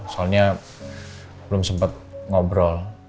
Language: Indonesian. soalnya belum sempet ngobrol